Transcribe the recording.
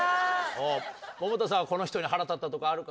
百田さんはこの人に腹立ったとかあるか？